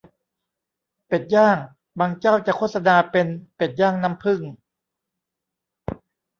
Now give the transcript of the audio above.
เป็ดย่าง บางเจ้าจะโฆษณาเป็นเป็ดย่างน้ำผึ้ง